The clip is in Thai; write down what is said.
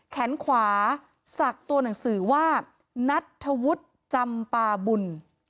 แขนขวาศักดิ์ตัวหนังสือว่านัทธวุฒิจำปาบุญ